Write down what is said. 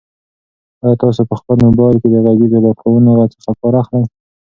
آیا تاسو په خپل موبایل کې د غږیزو لارښوونو څخه کار اخلئ؟